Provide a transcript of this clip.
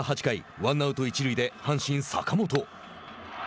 ワンアウト、一塁で阪神、坂本。